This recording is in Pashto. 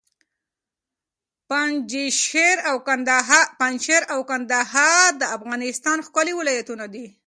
پنجشېر او کندهار د افغانستان ښکلي ولایتونه دي.